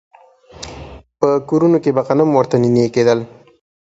په کورونو کې به غنم ورته نينې کېدل.